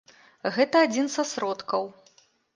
Гэта адзін са сродкаў.